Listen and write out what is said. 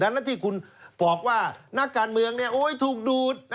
ดังนั้นที่คุณบอกว่านักการเมืองถูกดูด